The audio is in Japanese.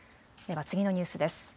では次のニュースです。